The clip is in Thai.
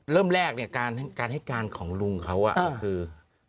เริ่มแรกเนี่ยการให้การของลุงเขาก็คือ